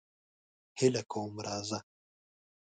هیله کوم راځه.